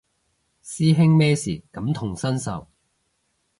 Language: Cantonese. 師兄咩事感同身受